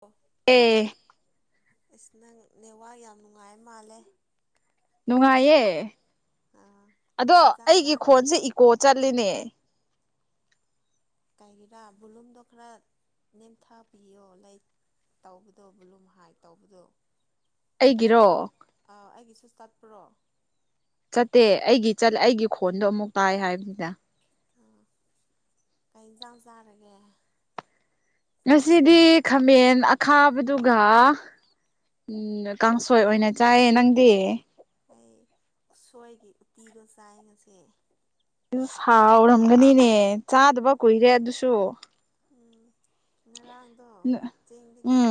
ꯑꯣ ꯑꯦ ꯇꯥꯏꯌꯦ ꯏꯁ ꯅꯪ ꯅꯦꯋꯥꯔꯛ ꯌꯥꯝ ꯅꯨꯡꯉꯥꯏꯔ ꯃꯥꯜꯂꯦ ꯅꯨꯡꯉꯥꯏꯌꯦ ꯑꯥ ꯑꯗꯣ ꯀꯩ ꯏꯟꯖꯥꯡ ꯑꯩꯒꯤ ꯆꯥꯔ ꯈꯣꯟꯁꯦ ꯏꯀꯣ ꯆꯠꯂꯤꯅꯦ ꯀꯩꯒꯤꯔꯥ ꯚꯣꯂꯨꯝꯗꯣ ꯈꯔ ꯅꯦꯝꯊꯕꯤꯌꯣ ꯂꯩ ꯇꯧꯕꯗꯣ ꯚꯨꯂꯨꯝ ꯍꯥꯏ ꯇꯧꯕꯗꯣ ꯑꯩꯒꯤꯁꯨ ꯑꯩꯒꯤꯔꯣ ꯑꯥ ꯑꯩꯒꯤꯁꯨ ꯆꯠꯄ꯭ꯔꯣ ꯆꯠꯇꯦ ꯑꯩꯒꯤ ꯆꯠ ꯑꯩꯒꯤ ꯈꯣꯟꯗꯣ ꯑꯃꯨꯛ ꯇꯥꯏ ꯍꯥꯏꯕꯅꯤꯗ ꯑꯥ ꯀꯩ ꯏꯟꯖꯥꯡ ꯆꯥꯔꯒꯦ ꯉꯁꯤꯗꯤ ꯈꯥꯃꯦꯟ ꯑꯈꯥꯕ ꯑꯗꯨꯒ ꯎꯝ ꯀꯥꯡꯁꯣꯏ ꯑꯣꯏꯅ ꯆꯥꯏꯌꯦ ꯅꯪꯗꯤ ꯑꯩ ꯎꯁꯣꯏꯒꯤ ꯎꯇꯤꯗꯣ ꯆꯥꯏ ꯉꯁꯤ ꯑꯗꯨ ꯁꯥꯎꯔꯝꯒꯅꯤꯅꯦ ꯆꯥꯗꯕ ꯀꯨꯏꯔꯦ ꯑꯗꯨꯁꯨ ꯎꯝ ꯉꯔꯥꯡꯗꯣ ꯎꯝ ꯆꯦꯡꯗꯒꯤ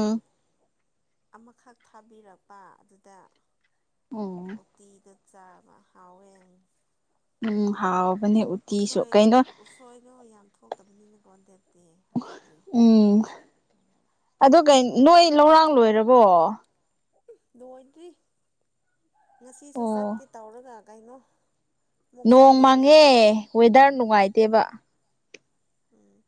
ꯑꯃꯈꯛ ꯊꯥꯕꯤꯔꯛꯄ ꯑꯗꯨꯗ ꯑꯣ ꯇꯤꯗ ꯆꯥꯕ ꯍꯥꯎꯋꯦ ꯑꯃꯨꯛ ꯎꯝ ꯍꯥꯎ ꯎꯁꯣꯏ ꯎꯁꯣꯏꯅꯣ ꯌꯥꯝ ꯊꯣꯛꯇꯕꯅꯤꯅꯀꯣ ꯍꯟꯗꯞꯇꯤ ꯍꯧꯖꯤꯛꯇꯤ ꯎꯝ ꯑꯗꯣ ꯀꯩ ꯅꯣꯏ ꯂꯧꯔꯥꯡ ꯂꯣꯏꯔꯕꯣ ꯂꯣꯏꯗ꯭ꯔꯤ ꯉꯁꯤꯁꯨ ꯑꯣ ꯆꯠꯀꯦ ꯇꯧꯔꯒ ꯀꯩꯅꯣ ꯑꯃꯨꯛ ꯅꯣꯡ ꯆꯠꯇꯦ ꯃꯪꯉꯦ ꯉꯔꯥꯡꯁꯨ ꯋꯦꯗꯔ ꯅꯨꯡꯉꯥꯏꯇꯦꯕ ꯎꯝ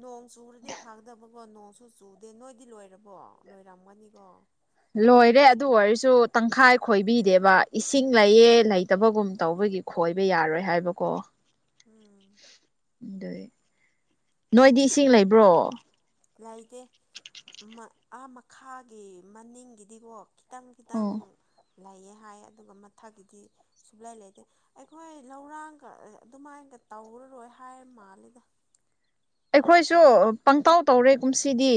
ꯅꯣꯡ ꯆꯨꯔꯗꯤ ꯐꯥꯒꯗꯕꯀꯣ ꯅꯣꯡꯁꯨ ꯆꯨꯗꯦ ꯅꯣꯏꯗꯤ ꯂꯣꯏꯔꯕꯣ ꯂꯣꯏꯔꯝꯒꯅꯤꯀꯣ ꯂꯣꯏꯔꯦ ꯑꯗꯨ ꯑꯣꯏꯔꯁꯨ ꯇꯪꯈꯥꯏ ꯈꯣꯏꯕꯤꯗꯦꯕ ꯏꯁꯤꯡ ꯂꯩꯌꯦ ꯂꯩꯇꯕꯒꯨꯝ ꯇꯧꯕꯒꯤ ꯈꯣꯏꯕ ꯌꯥꯔꯣꯏ ꯍꯥꯏꯕꯀꯣ ꯎꯝ ꯑꯗꯨꯢ ꯅꯣꯏꯗꯤ ꯏꯁꯤꯡ ꯂꯩꯕ꯭ꯔꯣ ꯂꯩꯇꯦ ꯑꯥ ꯃꯈꯥꯒꯤ ꯃꯅꯤꯡꯒꯤꯗꯤꯀꯣ ꯈꯤꯇꯪ ꯈꯤꯇꯪ ꯑꯣ ꯂꯩꯌꯦ ꯍꯥꯏ ꯑꯗꯨꯒ ꯃꯊꯛꯀꯤꯗꯤ ꯁꯨꯡꯂꯩ ꯂꯩꯇꯦ ꯑꯩꯈꯣꯏ ꯂꯧꯔꯥꯡꯒ ꯑꯗꯨꯃꯥꯏꯅꯒ ꯇꯧꯔꯔꯣꯏ ꯍꯥꯏꯔ ꯃꯥꯜꯂꯤꯗ ꯑꯩꯈꯣꯏꯁꯨ ꯄꯪꯇꯥꯎ ꯇꯧꯔꯦ ꯀꯨꯝꯁꯤꯗꯤ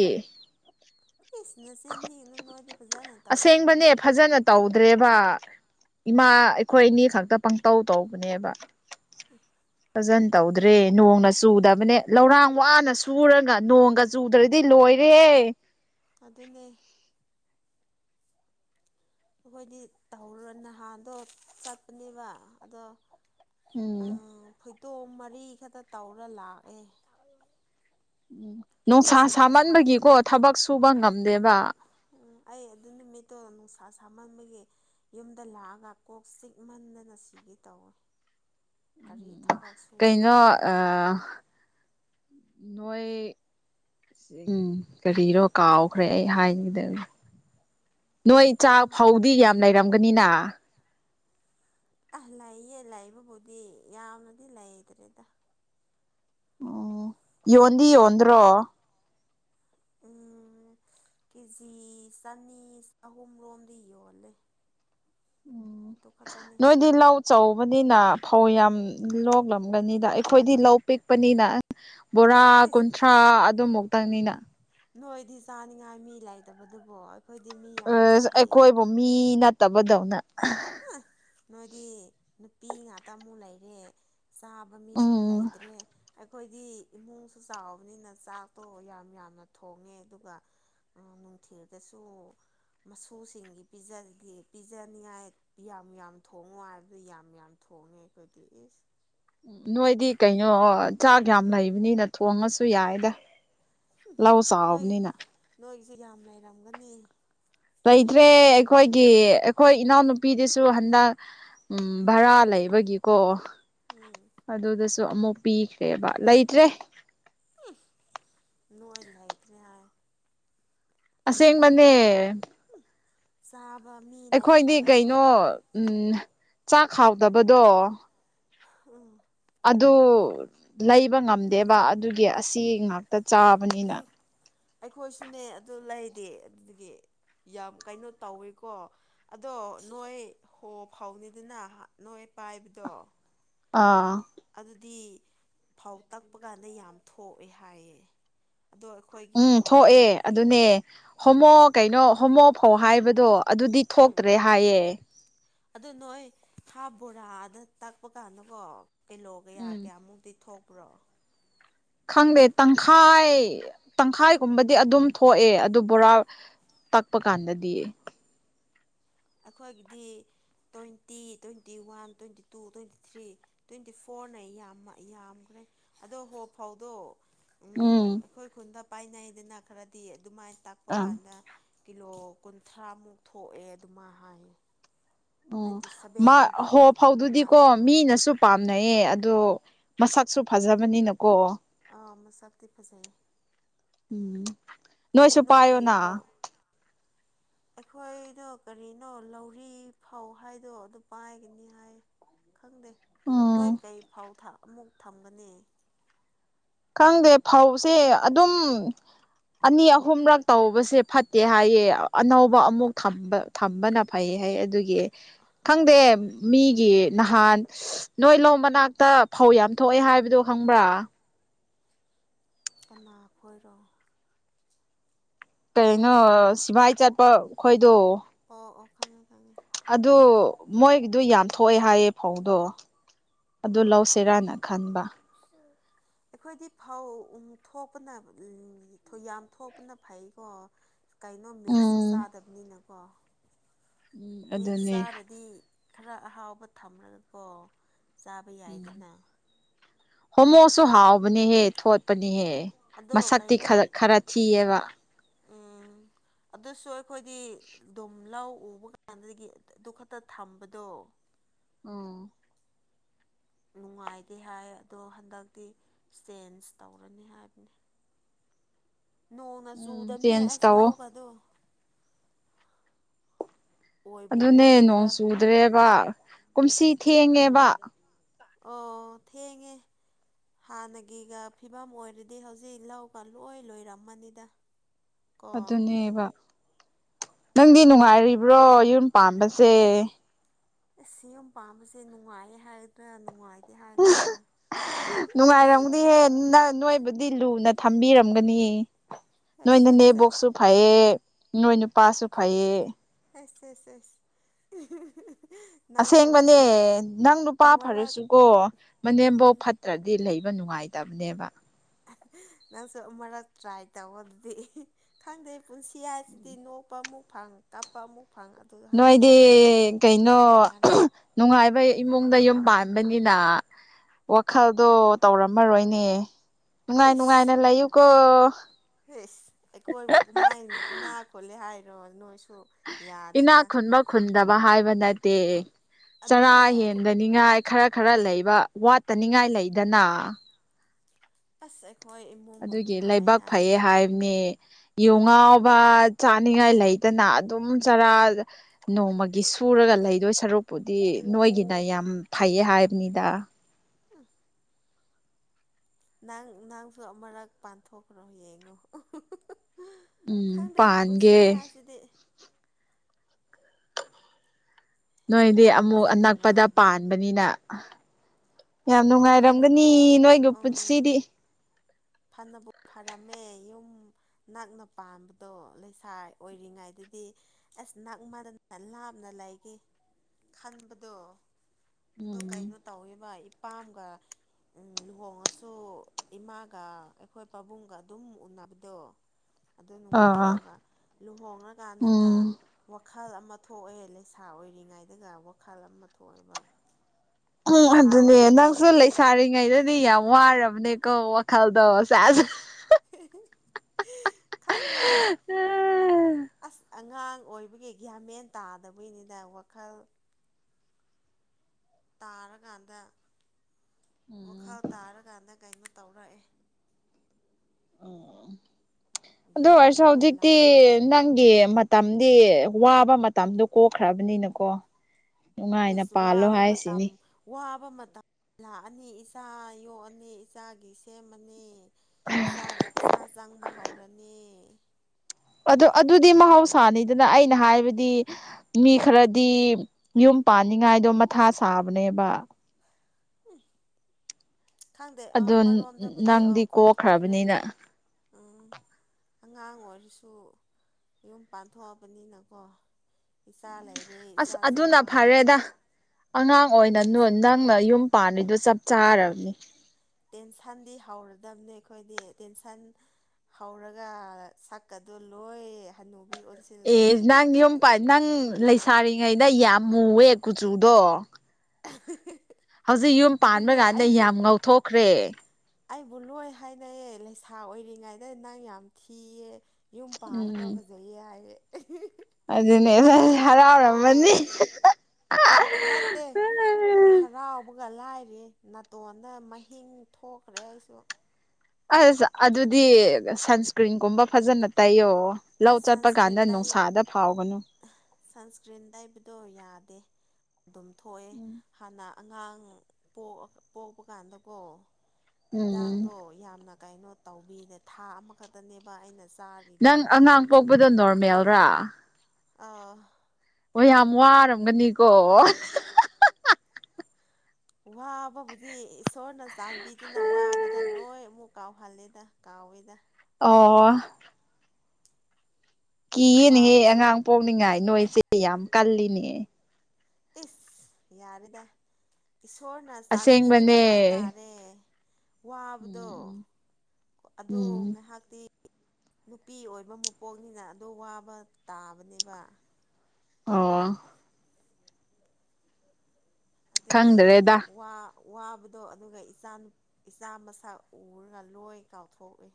ꯢꯁ ꯅꯆꯤꯟ ꯊꯤꯒꯅꯨ ꯅꯣꯏꯗꯤ ꯐꯖꯅ ꯇꯧꯔꯝꯒꯅꯤ ꯑꯁꯦꯡꯕꯅꯦ ꯐꯖꯅ ꯇꯧꯗ꯭ꯔꯦꯕ ꯏꯃꯥ ꯑꯩꯈꯣꯏ ꯑꯅꯤ ꯈꯛꯇ ꯄꯪꯇꯧ ꯇꯧꯕꯅꯦꯕ ꯎꯝ ꯐꯖꯅ ꯇꯧꯗ꯭ꯔꯦ ꯅꯣꯡꯅ ꯆꯨꯗꯕꯅꯦ ꯂꯧꯔꯥꯡ ꯋꯥꯅ ꯁꯨꯔꯒ ꯅꯣꯡꯒ ꯆꯨꯗ꯭ꯔꯗꯤ ꯂꯣꯏꯔꯦ ꯑꯗꯨꯅꯦ ꯑꯩꯈꯣꯏꯗꯤ ꯇꯧꯔꯣ ꯅꯍꯥꯟꯗꯣ ꯆꯠꯄꯅꯦꯕ ꯑꯗꯣ ꯎꯝ ꯐꯣꯏꯇꯣꯝ ꯃꯔꯤ ꯈꯛꯇ ꯇꯧꯔ ꯂꯥꯛꯑꯦ ꯎꯝ ꯅꯨꯡꯁꯥ ꯁꯥꯃꯟꯕꯒꯤꯀꯣ ꯊꯕꯛ ꯁꯨꯕ ꯉꯝꯗꯦꯕ ꯎꯝ ꯑꯩ ꯑꯗꯨ ꯅꯨꯃꯤꯠꯇꯣ ꯅꯨꯡꯁꯥ ꯁꯥꯃꯟꯕꯒꯤ ꯌꯨꯝꯗ ꯂꯥꯛꯑꯒ ꯀꯣꯛ ꯆꯤꯛꯃꯟꯗꯅ ꯁꯤꯒꯦ ꯇꯧꯋꯦ ꯀꯔꯤ ꯊꯕꯛ ꯀꯩꯅꯣ ꯁꯨꯕ꯭ꯔꯥꯅꯣ ꯑꯥ ꯅꯣꯏ ꯎꯝ ꯀꯔꯤꯅꯣ ꯀꯥꯎꯈ꯭ꯔꯦ ꯑꯩ ꯍꯥꯏꯈꯤꯗꯕ ꯅꯣꯏ ꯆꯥꯛ ꯅꯪ ꯐꯧꯗꯤ ꯌꯥꯝ ꯂꯩꯔꯝꯒꯅꯤꯅ ꯑꯥ ꯂꯩꯌꯦ ꯂꯩꯕꯕꯨꯗꯤ ꯌꯥꯝꯅꯗꯤ ꯂꯩꯇ꯭ꯔꯦꯗ ꯑꯣ ꯌꯣꯟꯗꯤ ꯌꯣꯟꯗ꯭ꯔꯣ ꯎꯝ ꯀꯦꯖꯤ ꯆꯅꯤ ꯆꯍꯨꯝꯔꯣꯝꯗꯤ ꯌꯣꯜꯂꯦ ꯎꯝ ꯑꯗꯨ ꯈꯛꯇꯅꯤ ꯅꯣꯏꯗꯤ ꯂꯧ ꯑꯧꯕꯅꯤꯅ ꯐꯧ ꯌꯥꯝ ꯂꯣꯛꯂꯝꯒꯅꯤꯗ ꯑꯩꯈꯣꯏꯗꯤ ꯂꯧ ꯄꯤꯛꯄꯅꯤꯅ ꯕꯣꯔꯥ ꯏꯁ ꯀꯨꯟꯊ꯭ꯔꯥ ꯑꯗꯨꯃꯨꯛꯇꯪꯅꯤꯅ ꯅꯣꯏꯗꯤ ꯆꯥꯅꯤꯡꯉꯥꯏ ꯃꯤ ꯂꯩꯇꯕꯗꯨꯕꯣ ꯑꯩꯈꯣꯢꯗꯤ ꯃꯤ ꯑꯦꯁ ꯌꯥꯝꯃꯤꯁꯤꯗꯤ ꯑꯩꯈꯣꯏꯕꯨ ꯃꯤ ꯅꯠꯇꯕꯗꯧꯅ ꯍꯥ ꯅꯣꯏꯗꯤ ꯅꯨꯄꯤ ꯉꯥꯛꯇ ꯑꯃꯨꯛ ꯂꯩꯔꯦ ꯆꯥꯕ ꯃꯤꯁꯨ ꯎꯝ ꯂꯩꯇ꯭ꯔꯦ ꯑꯩꯈꯣꯏꯗꯤ ꯏꯃꯨꯡꯁꯨ ꯆꯥꯎꯕꯅꯤꯅ ꯆꯥꯛꯇꯣ ꯌꯥꯝ ꯌꯥꯝꯅ ꯊꯣꯡꯉꯦ ꯑꯗꯨꯒ ꯑꯥ ꯅꯨꯡꯊꯤꯜꯗꯁꯨ ꯃꯁꯨꯁꯤꯡꯒꯤ ꯄꯤꯖ ꯄꯤꯖꯅꯤꯡꯉꯥꯏ ꯌꯥꯝ ꯌꯥꯝ ꯊꯣꯡꯉꯨ ꯍꯥꯏꯕꯗꯨ ꯌꯥꯝ ꯌꯥꯝ ꯊꯣꯡꯉꯦ ꯑꯩꯈꯣꯏꯗꯤ ꯏꯁ ꯅꯣꯏꯗꯤ ꯀꯩꯅꯣ ꯆꯥꯛ ꯌꯥꯝ ꯂꯩꯕꯅꯤꯅ ꯊꯣꯡꯉꯁꯨ ꯌꯥꯏꯗ ꯍꯨꯝ ꯂꯧ ꯅꯣꯏ ꯆꯥꯎꯕꯅꯤꯅ ꯅꯣꯏꯒꯤꯁꯨ ꯌꯥꯝ ꯂꯩꯔꯝꯒꯅꯤ ꯈꯪꯇ꯭ꯔꯦ ꯅꯣꯏꯁꯨ ꯑꯩꯈꯣꯏ ꯀꯦ ꯑꯩꯈꯣꯏ ꯏꯅꯥꯎꯅꯨꯄꯤꯗꯨꯁꯨ ꯍꯟꯗꯛ ꯎꯝ ꯚꯔꯥ ꯂꯩꯕꯒꯤꯀꯣ ꯎꯝ ꯑꯗꯨꯗꯁꯨ ꯑꯃꯨꯛ ꯄꯤꯈ꯭ꯔꯦꯕ ꯂꯩꯇ꯭ꯔꯦ ꯍꯨꯝ ꯅꯣꯏ ꯂꯩꯇ꯭ꯔꯦ ꯍꯥꯏ ꯑꯁꯦꯡꯕꯅꯦ ꯆꯥꯕ ꯃꯤ ꯑꯩꯈꯣꯏꯗꯤ ꯀꯩꯅꯣ ꯂꯩꯇ꯭ꯔꯒꯅꯨꯅꯦ ꯎꯝ ꯆꯥꯛ ꯍꯥꯎꯗꯕꯗꯣ ꯎꯝ ꯑꯗꯨ ꯂꯩꯕ ꯉꯝꯗꯦꯕ ꯑꯗꯨꯒꯤ ꯑꯁꯤ ꯉꯥꯛꯇ ꯆꯥꯕꯅꯤꯅ ꯑꯩꯈꯣꯏꯁꯨꯅꯦ ꯑꯗꯨ ꯂꯩꯗꯤ ꯑꯗꯨꯒꯤ ꯌꯥꯝ ꯀꯩꯅꯣ ꯇꯧꯋꯦꯀꯣ ꯑꯗꯣ ꯅꯣꯏ ꯍꯣ ꯐꯥꯎꯅꯤꯗꯅ ꯅꯣꯏ ꯄꯥꯏꯕꯗꯣ ꯑꯥ ꯑꯗꯨꯗꯤ ꯐꯧ ꯇꯛꯄ ꯀꯥꯟꯗ ꯌꯥꯝ ꯊꯣꯛꯑꯦ ꯍꯥꯏꯌꯦ ꯑꯗꯣ ꯑꯩꯈꯣ ꯎꯝ ꯊꯣꯛꯑꯦ ꯑꯗꯨꯅꯦ ꯍꯣꯃꯣ ꯀꯩꯅꯣ ꯍꯣꯃꯣ ꯐꯧ ꯍꯥꯏꯕꯗꯣ ꯑꯗꯨꯗꯤ ꯎꯝ ꯊꯣꯛꯇ꯭ꯔꯦ ꯍꯥꯏꯌꯦ ꯑꯗꯨ ꯅꯣꯏ ꯍꯥꯞ ꯕꯣꯔꯥꯗ ꯇꯥꯛꯄ ꯀꯥꯟꯗꯀꯣ ꯀꯤꯂꯣ ꯀꯌꯥ ꯎꯝ ꯀꯌꯥꯃꯨꯛꯇꯤ ꯊꯣꯛꯄ꯭ꯔꯣ ꯈꯪꯗꯦ ꯇꯪꯈꯥꯏ ꯇꯪꯈꯥꯏꯒꯨꯝꯕꯗꯤ ꯑꯗꯨꯝ ꯊꯣꯛꯑꯦ ꯑꯗꯨ ꯕꯣꯔꯥ ꯇꯛꯄ ꯀꯥꯟꯗꯗꯤ ꯑꯩꯈꯣꯏꯒꯤꯗꯤ twenty twenty one twenty two twenty three twenty ꯐꯣꯔꯅꯦ ꯌꯥꯝꯃ ꯌꯥꯝꯈ꯭ꯔꯦ ꯑꯗꯣ ꯍꯣ ꯐꯥꯎꯗꯣ ꯎꯝ ꯑꯩꯈꯣꯏ ꯈꯨꯟꯗ ꯄꯥꯏꯅꯩꯗꯅ ꯈꯔꯗꯤ ꯑꯗꯨꯃꯥꯏꯟ ꯇꯥꯛꯄ ꯑꯥ ꯀꯥꯟꯗ ꯀꯤꯂꯣ ꯀꯨꯟꯊ꯭ꯔꯥꯃꯨꯛ ꯊꯣꯛꯑꯦ ꯑꯗꯨꯃꯥ ꯍꯥꯏꯌꯦ ꯎꯝ ꯇ꯭ꯋꯦꯟꯇꯤ ꯁꯚꯦꯟ ꯃꯥ ꯇ꯭ꯋꯦꯟꯇꯤ ꯍꯣ ꯑꯩꯠ ꯇ꯭ꯋꯦꯟꯇꯤ ꯅꯥꯏꯟ ꯐꯥꯎꯗꯨꯗꯤꯀꯣ ꯑꯗꯨꯃꯥꯏ ꯃꯤꯅꯁꯨ ꯄꯥꯝꯅꯩꯌꯦ ꯑꯗꯣ ꯃꯁꯛꯁꯨ ꯐꯖꯕꯅꯤꯅꯀꯣ ꯑꯧ ꯃꯁꯛꯇꯤ ꯐꯖꯩꯌꯦ ꯎꯝ ꯅꯣꯏꯁꯨ ꯅꯣꯏ ꯀꯩ ꯄꯥꯏꯌꯣꯅ ꯐꯥꯎ ꯑꯩꯈꯣꯏꯗꯣ ꯀꯔꯤꯅꯣ ꯂꯧꯔꯤ ꯐꯧ ꯍꯥꯏꯗꯣ ꯑꯗꯨ ꯄꯥꯏꯒꯅꯤ ꯍꯥꯏ ꯈꯪꯗꯦ ꯅꯣꯏ ꯎꯝ ꯀꯩ ꯐꯥꯎ ꯊꯥꯛ ꯑꯃꯨꯛ ꯊꯝꯒꯅꯤ ꯈꯪꯗꯦ ꯐꯧꯁꯦ ꯑꯗꯨꯝ ꯑꯅꯤ ꯑꯍꯨꯝꯔꯛ ꯇꯧꯕꯁꯦ ꯐꯠꯇꯦ ꯍꯥꯏꯌꯦ ꯑꯅꯧꯕ ꯑꯃꯨꯛ ꯊꯝꯕ ꯊꯝꯕꯅ ꯐꯩ ꯍꯥꯏ ꯑꯗꯨꯒꯤ ꯈꯪꯗꯦ ꯃꯤꯒꯤ ꯅꯍꯥꯟ ꯅꯣꯏ ꯂꯧ ꯃꯅꯥꯛꯇ ꯐꯧ ꯌꯥꯝ ꯊꯣꯛꯑꯦ ꯍꯥꯏꯕꯗꯨꯣ ꯈꯪꯕ꯭ꯔꯥ ꯀꯅꯥ ꯈꯣꯏꯔꯣ ꯀꯩꯅꯣ ꯑꯩꯈꯣꯏꯒꯤ ꯃꯟ ꯁꯤꯐꯥꯏ ꯆꯠꯄ ꯈꯣꯏꯗꯣ ꯑꯣ ꯈꯪꯉꯦ ꯈꯪꯉꯦ ꯑꯗꯨ ꯃꯣꯏꯒꯤꯗꯨ ꯌꯥꯝ ꯊꯣꯛꯑꯦ ꯍꯥꯏꯌꯦ ꯐꯧꯗꯣ ꯑꯗꯨ ꯑꯣ ꯂꯧꯁꯤꯔꯥꯅ ꯈꯟꯕ [unintelligible] ꯑꯩꯈꯣꯏꯗꯤ ꯐꯧ ꯎꯝ ꯊꯣꯛꯄꯅ ꯎꯝ ꯌꯥꯝ ꯊꯣꯛꯄꯅ ꯐꯩꯀꯣ ꯀꯩꯅꯣ ꯃꯤꯛꯁꯁꯨ ꯎꯝ ꯆꯥꯗꯕꯅꯤꯅꯀꯣ ꯎꯝ ꯃꯤꯛꯁ ꯑꯗꯨꯅꯦ ꯆꯥꯔꯗꯤ ꯈꯔ ꯑꯍꯥꯎꯕ ꯊꯝꯂꯒꯀꯣ ꯆꯥꯕ ꯎꯝ ꯌꯥꯏꯗꯅ ꯍꯣꯃꯣꯁꯨ ꯍꯥꯎꯕꯅꯦꯍꯦ ꯊꯣꯠꯄꯅꯦꯍꯦ ꯑꯗꯣ ꯃꯁꯛꯇꯤ ꯀꯩꯅꯣ ꯈꯔ ꯈꯔ ꯊꯤꯌꯦꯕ ꯎꯝ ꯑꯗꯨꯁꯨ ꯑꯩꯈꯣꯏꯗꯤ ꯗꯨꯝ ꯂꯥꯎ ꯎꯕꯀꯥꯟꯗꯒꯤ ꯑꯗꯨ ꯈꯛꯇ ꯊꯝꯕꯗꯣ ꯎꯝ ꯅꯨꯡꯉꯥꯏꯇꯦ ꯍꯥꯏ ꯑꯗꯣ ꯍꯟꯗꯛꯇꯤ ꯆꯦꯟꯖ ꯇꯧꯔꯅꯤ ꯍꯥꯏꯕꯅꯤ ꯅꯣꯡꯅ ꯎꯝ ꯆꯨꯗꯝꯅꯦ ꯆꯦꯟꯖ ꯑꯁ ꯇꯧꯋꯣ ꯂꯧꯒꯗꯣ ꯑꯣꯏꯕꯨ ꯑꯗꯨꯅꯦ ꯅꯣꯡ ꯑꯣꯏꯒꯗ꯭ꯔꯥ ꯆꯨꯗ꯭ꯔꯦꯕ ꯀꯨꯝꯁꯤ ꯊꯦꯡꯉꯦꯕ ꯑꯣ ꯊꯦꯡꯉꯦ ꯍꯥꯟꯅꯒꯤꯒ ꯐꯤꯕꯝ ꯑꯣꯏꯔꯗꯤ ꯍꯧꯖꯤꯛ ꯂꯧꯒ ꯂꯣꯏ ꯂꯣꯏꯔꯝꯃꯅꯤꯗ [inaudible] ꯑꯗꯨꯅꯦꯕ ꯅꯪꯗꯤ ꯅꯨꯡꯉꯥꯏꯔꯤꯕ꯭ꯔꯣ ꯌꯨꯝ ꯄꯥꯝꯕꯁꯦ ꯑꯁ ꯌꯨꯝ ꯄꯥꯝꯕꯁꯦ ꯅꯨꯡꯉꯥꯏꯌꯦ ꯍꯥꯏꯗ꯭ꯔꯥ ꯅꯨꯡꯉꯥꯏꯇꯦ ꯍꯥꯏꯒꯗ꯭ꯔꯥ ꯅꯨꯡꯉꯥꯏꯔꯝꯒꯗꯤꯍꯦ ꯅꯪ ꯅꯣꯏꯕꯨꯗꯤ ꯂꯨꯅ ꯊꯝꯕꯤꯔꯝꯒꯅꯤ ꯅꯣꯏ ꯑꯁ ꯑꯁ ꯅꯅꯦꯕꯣꯛꯁꯨ ꯑꯁ ꯐꯩꯌꯦ ꯅꯣꯏ ꯅꯨꯄꯥꯁꯨ ꯐꯩꯌꯦ ꯑꯁ ꯑꯁ ꯅꯪꯁꯨ ꯑꯁꯦꯡꯕꯅꯦ ꯅꯪ ꯅꯨꯄꯥ ꯑꯃꯔꯛ ꯐꯔꯁꯨꯀꯣ ꯃꯅꯦꯝꯕꯣꯛ ꯎꯝ ꯐꯠ ꯇ꯭ꯔꯗꯤ ꯂꯩꯕ ꯅꯨꯡꯉꯥꯏꯇꯕꯅꯦꯕ ꯅꯪꯁꯨ ꯑꯃꯨꯔꯛ ꯇ꯭ꯔꯥꯏ ꯇꯧꯑꯣ ꯑꯗꯨꯗꯤ ꯈꯪꯗꯦ ꯄꯨꯟꯁꯤ ꯍꯥꯏꯁꯤꯗꯤ ꯅꯣꯛꯄ ꯑꯃꯨꯛ ꯐꯪ ꯀꯞꯄ ꯑꯃꯨꯛ ꯐꯪ ꯅꯣꯏꯗꯤ ꯍꯥꯏꯇꯥꯔꯦ ꯀꯩꯅꯣ__ ꯇꯥꯔꯦ ꯅꯨꯡꯉꯥꯏꯕ ꯏꯃꯨꯡꯗ ꯌꯨꯝ ꯄꯥꯟꯕꯅꯤꯅ__ ꯋꯥꯈꯜꯗꯣ ꯇꯧꯔꯝꯃꯔꯣꯏꯅꯦ ꯅꯨꯡꯉꯥꯏ ꯏꯁ ꯅꯨꯡꯉꯥꯏꯅ ꯂꯩꯌꯨꯀꯣ ꯈꯨꯜꯂꯦ ꯍꯥꯏꯔꯣ ꯅꯣꯏꯁꯨ ꯏꯅꯥꯛ ꯌꯥꯔꯦꯗ ꯈꯨꯟꯕ ꯈꯨꯟꯗꯕ ꯍꯥꯏꯕ ꯅꯠꯇꯦ ꯆꯔꯥ ꯑꯗꯨꯅꯦ ꯑꯩꯈꯣꯏ ꯍꯦꯟꯗꯅꯤꯉꯥꯏ__ ꯈꯔ ꯈꯔ ꯂꯩꯕ ꯋꯥꯠꯇꯅꯤꯉꯥꯏ ꯂꯩꯗꯅ ꯑꯁ ꯑꯩꯈꯣꯏ ꯏꯃꯨꯡ ꯑꯗꯨꯒꯤ ꯂꯩꯕꯥꯛ ꯐꯩꯌꯦ ꯍꯥꯏꯕꯅꯤ ꯌꯨ ꯎꯝ ꯉꯥꯎꯕ ꯆꯥꯅꯤꯡꯉꯥꯏ ꯂꯩꯇꯅ ꯑꯗꯨꯝ ꯆꯔꯥ__ ꯅꯣꯡꯃꯒꯤ ꯁꯨꯔꯒ ꯂꯩꯗꯣꯏ ꯁꯔꯨꯛꯄꯨꯗꯤ ꯅꯣꯏꯒꯤꯅ ꯌꯥꯝ ꯐꯩꯌꯦ ꯍꯥꯏꯕꯅꯤꯗ ꯎꯝ ꯅꯪ ꯅꯪꯁꯨ ꯑꯃꯨꯔꯛ ꯄꯥꯟꯊꯣꯛꯈ꯭ꯔꯣ ꯌꯦꯡꯉꯣ ꯎꯝ ꯈꯪꯗꯦ ꯄꯨꯟꯁꯤ ꯄꯥꯟꯒꯦ ꯍꯥꯏꯁꯤꯗꯤ ꯌꯨꯝ ꯅꯣꯏꯗꯤ ꯑꯃꯨꯛ ꯄꯥꯟꯕꯁꯦ ꯑꯅꯛꯄꯗ ꯅꯨꯡꯉꯥꯏꯕ꯭ꯔꯥ ꯄꯥꯟꯕꯅꯤꯅ ꯌꯥꯝ ꯑꯣ ꯅꯨꯡꯉꯥꯏꯔꯝꯒꯅꯤ ꯐꯅꯕꯨ ꯅꯣꯏꯒꯤ ꯎꯝ ꯄꯨꯟꯁꯤꯗꯤ ꯐꯅꯕꯨ ꯐꯔꯝꯃꯦ ꯌꯨꯝ ꯅꯥꯛꯅ ꯄꯥꯟꯕꯥꯗꯣ ꯂꯩꯁꯥ ꯑꯣꯏꯔꯤꯉꯩꯗꯗꯤ__ ꯑꯁ ꯅꯛꯃꯗ ꯂꯥꯞꯅ ꯂꯩꯒꯦ ꯈꯟꯕꯗꯣ ꯑꯗꯣ ꯎꯝ ꯀꯩꯅꯣ ꯇꯧꯋꯦꯕ ꯏꯄꯥꯝꯒ ꯂꯨꯍꯣꯡꯉꯁꯨ ꯏꯃꯥ ꯀ ꯑꯩꯈꯣꯏ ꯄꯥꯕꯨꯡꯒ ꯑꯗꯨꯝ ꯎꯅꯕꯗꯣ__ ꯑꯗꯨ ꯑꯥ ꯅꯨꯡꯉꯥꯏꯌꯦꯕ ꯂꯨꯍꯣꯡꯉꯀꯥꯟꯗꯅ ꯎꯝ ꯋꯥꯈꯜ ꯑꯃ ꯊꯣꯛꯑꯦ ꯂꯩꯁꯥ ꯑꯣꯏꯔꯤꯉꯩꯗꯒ ꯋꯥꯈꯜ ꯑꯃ ꯊꯣꯛꯑꯦꯕ ꯎꯝ ꯂꯩꯁꯥ ꯑꯗꯨꯅꯦ ꯅꯪꯁꯨ ꯑꯣꯏꯔꯤꯉꯩꯗꯗꯤ ꯂꯩꯁꯥꯔꯤꯉꯩꯗꯗꯤ ꯌꯥꯝ ꯋꯥꯔꯕꯅꯦ ꯀꯣ ꯈꯜꯗꯣ ꯁꯦꯖ__ ꯈꯪꯗꯦ ꯑꯁ ꯑꯉꯥꯡ ꯑꯣꯏꯕꯒꯤ ꯒ꯭ꯌꯥꯃꯦꯟ ꯇꯥꯗꯕꯩꯅꯤꯗ ꯋꯥꯈꯜ ꯇꯥꯔꯀꯥꯟꯗ ꯎꯝ ꯋꯥꯈꯜ ꯇꯥꯔꯀꯥꯟꯗ ꯀꯩꯅꯣ ꯇꯧꯔꯛꯑꯦ ꯑꯗꯨ ꯑꯣꯏꯔꯁꯨ ꯒ꯭ꯌꯥꯟꯗꯣ ꯍꯧꯖꯤꯛꯇꯤ ꯂꯥꯛꯑꯦ ꯅꯪꯒꯤ ꯃꯇꯝꯗꯤ ꯋꯥꯕ ꯃꯇꯝꯗꯣ ꯀꯣꯛꯈ꯭ꯔꯕꯅꯤꯅꯀꯣ ꯅꯨꯡꯉꯥꯏꯅ ꯏꯁ ꯄꯥꯜꯂꯣ ꯋꯥꯕ ꯃꯇꯝ ꯍꯥꯏꯁꯤꯅꯤ ꯋꯥꯕ ꯃꯇꯝ ꯂꯥꯛꯑꯅꯤ ꯏꯆꯥ ꯌꯣꯛꯑꯅꯤ ꯏꯆꯥꯒꯤ ꯁꯦꯝꯃꯅꯤ ꯏꯆꯥꯒꯤ ꯄꯩꯁꯥ ꯆꯪꯕ ꯍꯧꯔꯅꯤ ꯑꯗꫭ ꯑꯗꯨꯗꯤ ꯃꯍꯧꯁꯥꯅꯤꯗꯅ ꯑꯩꯅ ꯍꯥꯏꯕꯗꯤ ꯃꯤ ꯈꯔꯗꯤ ꯌꯨꯝ ꯄꯥꯟꯅꯤꯡꯉꯥꯏꯗꯣ ꯃꯊꯥ ꯁꯥꯕꯅꯦꯕ꯫ [unintelligible] ꯈꯪꯗꯦ ꯑ ꯑꯗꯣ ꯑꯃꯔꯣꯝꯗꯕꯨꯗꯤ ꯑ ꯅꯪꯗꯤ ꯀꯨꯝꯊꯣꯛꯈ꯭ꯔꯦ꯫ ꯀꯣꯛꯈ꯭ꯔꯕꯅꯤꯅ ꯎꯝ ꯑꯉꯥꯡ ꯑꯣꯏꯔꯁꯨ ꯌꯨꯝ ꯄꯥꯟꯊꯣꯛꯑꯕꯅꯤꯅꯀꯣ꯫ ꯏꯆꯥ ꯂꯩꯔꯦ ꯑꯁ ꯏꯆꯥ ꯑꯗꯨꯅ ꯁꯦꯝꯕ ꯍꯧꯔꯅꯤ ꯐꯔꯦꯗ ꯑꯉꯥꯡ ꯑꯣꯏꯅ ꯅꯣꯟ ꯇꯦꯟꯁ ꯅꯪ ꯅꯪꯅ ꯌꯨꯝ ꯄꯥꯟꯔꯤꯗꯣ ꯆꯞ ꯆꯥꯔꯕꯅꯦ꯫ ꯇꯦꯟꯁꯟꯗꯤ ꯍꯧꯔꯗꯕꯅꯤ ꯑꯩꯈꯣꯏꯗꯤ ꯇꯦꯟꯁꯟ ꯍꯧꯔꯒ ꯁꯛꯀꯗꯣ ꯂꯣꯏ ꯍꯅꯨꯕꯤ ꯑꯣꯟꯁꯤꯟ ꯑꯦꯁ ꯅꯪ ꯌꯨꯝ ꯄꯥꯟ ꯅꯪ ꯂꯩꯁꯥꯔꯤꯉꯩꯩꯗ ꯌꯥꯝ ꯃꯨꯋꯦ ꯀꯨꯆꯨꯗꯣ꯫ [unintelligible] ꯍꯧꯖꯤꯛ ꯌꯨꯝ ꯄꯥꯟꯕ ꯑꯗꯨꯅꯦ ꯀꯥꯟꯗ ꯑꯩꯕꯨ ꯌꯥꯝ ꯉꯧꯊꯣꯛꯈ꯭ꯔꯦ꯫ ꯑꯩꯕꯨ ꯂꯣꯏ ꯍꯥꯏꯅꯩꯌꯦ ꯂꯩꯁꯥ ꯑꯣꯏꯔꯤꯉꯩꯗ ꯅꯪ ꯌꯥꯝ ꯊꯤꯌꯦ꯫ ꯌꯨꯝ ꯄꯥꯜꯒ ꯎꯝ ꯐꯖꯩꯌꯦ ꯍꯥꯏꯌꯦ [unintelligible] ꯑꯗꯨꯅꯦ ꯍꯔꯥꯎꯔꯝꯃꯅꯤ [unintelligible] ꯑꯦ ꯍꯔꯥꯎꯕꯒ ꯂꯥꯏꯔꯤ ꯅꯇꯣꯟꯗ ꯃꯍꯤꯡ ꯊꯣꯛꯈ꯭ꯔꯦ ꯑꯩꯁꯨ꯫ ꯑꯁ ꯑꯗꯨꯗꯤ ꯁꯟꯁꯀ꯭ꯔꯤꯟꯒꯨꯝꯕ ꯐꯖꯅ ꯇꯩꯌꯣ꯫ ꯂꯧ ꯑꯁ ꯆꯠꯄ ꯀꯥꯟꯗ ꯅꯨꯡꯁꯥꯗ ꯐꯥꯎꯒꯅꯨ꯫ ꯑ ꯁꯟꯁꯀ꯭ꯔꯤꯟꯗ ꯇꯩꯕꯗꯣ ꯌꯥꯗꯦ ꯑꯗꯨꯝ ꯊꯣꯛꯑꯦ꯫ ꯎꯝ ꯍꯥꯟꯅ ꯑꯉꯥꯡ ꯄꯣꯑ ꯄꯣꯛꯄ ꯀꯥꯟꯗꯀꯣ꯫ ꯎꯝ ꯌꯦꯟꯖꯥꯡꯗꯣ ꯌꯥꯝꯅ ꯀꯩꯅꯣ ꯇꯧꯕꯤꯅꯦ ꯊꯥ ꯑꯃꯈꯛꯇꯅꯦꯕ ꯑꯩꯅ ꯆꯥ ꯅꯪ ꯑꯉꯥꯡ ꯄꯣꯛꯄꯗ ꯅꯣꯔꯃꯦꯜꯔꯥ꯫ ꯑꯥꯎ꯫ ꯑꯣ ꯌꯥꯝ ꯋꯥꯔꯝꯒꯅꯤꯀꯣ꯫ ꯋꯥꯕꯕꯨꯗꯤ ꯏꯁꯣꯔꯅ ꯆꯥꯟꯕꯤꯗꯅ ꯋꯥꯕꯗ ꯂꯣꯏ ꯑꯃꯨꯛ ꯀꯥꯎꯍꯜꯂꯦꯗ ꯀꯥꯎꯋꯤꯗ꯫ ꯑꯣ꯫ ꯀꯤꯌꯦꯅꯦꯍꯦ ꯋꯥꯕꯁꯨ ꯑꯉꯥꯡ ꯄꯣꯛꯅꯤꯡꯉꯥꯏ ꯅꯣꯏꯁꯦ ꯌꯥꯝ ꯀꯜꯂꯤꯅꯦ꯫ ꯏꯁ ꯌꯥꯔꯦꯗ꯫ ꯏꯁꯣꯔꯅ ꯆꯥꯟꯕꯤꯗꯨꯅ ꯍꯥꯏ ꯑꯁꯦꯡꯕꯅꯦ ꯇꯥꯔꯦ꯫ ꯋꯥꯕꯗꯣ ꯎꯝ ꯑꯗꯣ ꯎꯝ ꯉꯥꯏꯍꯥꯛꯇꯤ ꯅꯨꯄꯤ ꯑꯣꯏꯕ ꯃꯄꯣꯛꯅꯤꯅ ꯑꯗꯣ ꯋꯥꯕ ꯇꯥꯕꯅꯦꯕ꯫ ꯑꯣ꯫ ꯑꯗꯒꯤ ꯈꯪꯗ꯭ꯔꯦꯗ ꯋꯥ ꯋꯥꯕꯗꯣ ꯑꯗꯨꯒ ꯏꯆꯥ ꯅꯨꯟ ꯏꯆꯥ ꯃꯁꯛ ꯎꯔꯒ ꯂꯣꯏ ꯀꯥꯎꯊꯣꯛꯑꯦ꯫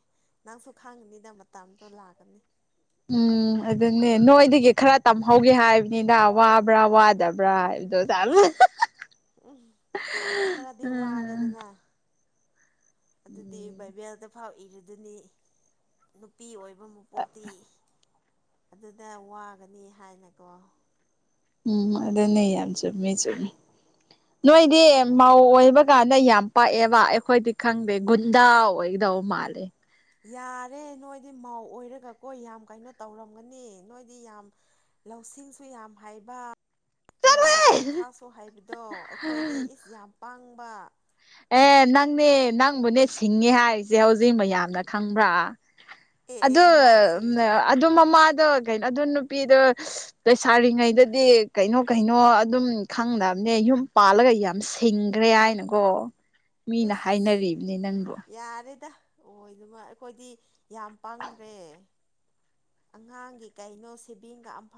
ꯅꯪꯁꯨ ꯈꯥꯡꯉꯅꯤꯗ ꯃꯇꯝꯗꯣ ꯂꯥꯛꯀꯅꯤ꯫ ꯎꯝ꯫ ꯑꯗꯨꯅꯦ ꯅꯣꯏꯗꯒꯤ ꯈꯔ ꯇꯝꯍꯧꯒꯦ ꯍꯥꯏꯕꯅꯤꯗ ꯋꯥꯕ꯭ꯔꯥ ꯋꯥꯗꯕ꯭ꯔꯥ ꯍꯥꯏꯕꯗꯣ [unintelligible] ꯎꯝ ꯈꯔꯗꯤ ꯎꯝ ꯋꯥꯔꯦꯗꯅ꯫ ꯑꯗꯨꯗꯤ ꯕꯥꯏꯕꯦꯜꯗ ꯐꯥꯎ ꯏꯔꯗꯨꯅꯤ ꯅꯨꯄꯤ ꯑꯣꯏ ꯕ ꯃꯄꯣꯛꯇꯤ ꯑꯗꯨꯗ ꯋꯥꯒꯅꯤ ꯍꯥꯏꯅꯀꯣ꯫ ꯑꯗꯨꯅꯦ ꯌꯥꯝ ꯆꯨꯝꯃꯤ-ꯆꯨꯝꯃꯤ ꯅꯣꯏꯗꯤ ꯃꯧ ꯑꯣꯏꯕ ꯒꯥꯟꯗ ꯌꯥꯝ ꯄꯛꯑꯦꯕ ꯑꯩꯈꯣꯏꯗꯤ ꯈꯪꯗꯦ ꯒꯨꯟꯗꯥ ꯑꯣꯏꯒꯗꯧ ꯃꯥꯜꯂꯦ꯫ ꯌꯥꯔꯦ ꯅꯣꯏꯗꯤ ꯃꯥꯑꫭ ꯑꯣꯏꯔꯒꯀꯣꯏ ꯌꯥꯝ ꯀꯩꯅꯣ ꯇꯧꯔꯝꯒꯅꯤ ꯅꯣꯏꯗꯤ ꯌꯥꯝ ꯂꯧꯁꯤꯡꯁꯨ ꯌꯥꯝ ꯍꯩꯕ ꯌꯥꯝꯅ ꯊꯣꯛ ꯊꯥꯛꯁꯨ ꯍꯥꯏꯕꯗꯣ ꯑꯩꯈꯣꯏꯗꯤ ꯏꯁ ꯌꯥꯝ ꯄꯥꯡꯕ ꯑꯦ ꯅꯪꯅꯦ ꯅꯪꯕꯨꯅꯦ ꯁꯤꯡꯉꯦ ꯍꯥꯏꯔꯤꯁꯦ ꯍꯧꯖꯤꯛ ꯃꯌꯥꯝꯅ ꯈꯪꯕ꯭ꯔꯥ ꯑꯦ ꯑꯦ ꯑꯗꯨ ꯀꯃꯥꯏꯅ ꯁꯤꯡꯉꯤ ꯑꯗꯨ ꯃꯃꯥꯗꯣ ꯀꯩꯅꯣ ꯑꯗꯨ ꯅꯨꯄꯤꯗꯣ ꯂꯩꯁꯥꯔꯤꯉꯩꯗꯗꯤ ꯀꯩꯅꯣ ꯀꯩꯅꯣ ꯑꯗꯨꯝ ꯈꯪꯅꯕꯅꯦ ꯌꯨꯝ ꯄꯥꯜꯂꯒ ꯌꯥꯝ ꯁ ꯊꯤꯡꯈ꯭ꯔꯦ ꯍꯥꯏꯅꯀꯣ ꯃꯤꯅ ꯑꯦꯁ ꯍꯥꯏꯅꯔꯤꯕꯅꯤ ꯅꯪꯕꯨ ꯌꯥꯔꯦꯗ ꯑꯣ ꯑꯗꯣꯏꯃ ꯑꯩꯈꯣꯏꯗꯤ ꯌꯥꯝ ꯄꯥꯡꯈ꯭ꯔꯦ ꯑꯉꯥꯡꯒꯤ ꯀꯩꯅꯣ ꯁꯦꯚꯤꯡꯒ ꯑꯝ ꯐꯥꯎ